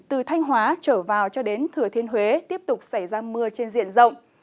từ thanh hóa trở vào cho đến thừa thiên huế tiếp tục xảy ra mưa trên diện rộng